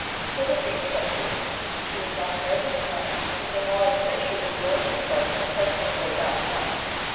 'Tilda Jane shuddered. She was not a nervous child, yet the knowledge that she was alone in a forest pressed and bore down upon her.